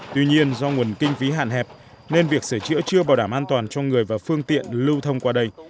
tuy nhiên do nguồn kinh phí hạn hẹp nên việc sửa chữa chưa bảo đảm an toàn cho người và phương tiện lưu thông qua đây